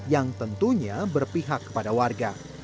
yang tentunya berpihak kepada warga